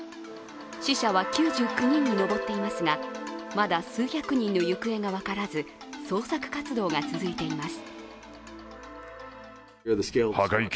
死者は９９人に上っていますがまだ数百人の行方が分からず捜索活動が続いています。